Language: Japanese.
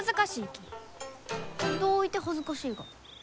どういて恥ずかしいが？